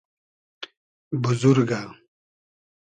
بوزورگۂ